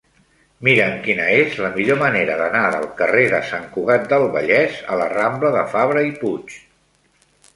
Mira'm quina és la millor manera d'anar del carrer de Sant Cugat del Vallès a la rambla de Fabra i Puig.